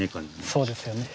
そうですよね。